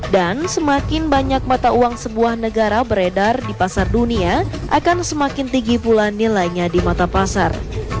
dan semakin banyak mata uang sebuah negara beredar di pasar dunia akan semakin tinggi pula nilainya di mata pasar